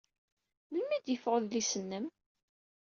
Melmi ay d-yeffeɣ udlis-nnem?